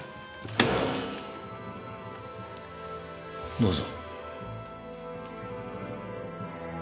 どうぞ。